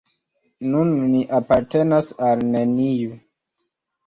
Nun ni apartenas al neniu.